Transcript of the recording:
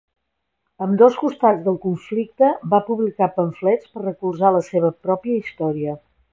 Ambdós costats del conflicte va publicar pamflets per recolzar la seva pròpia història.